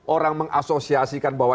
orang mengasosiasikan bahwa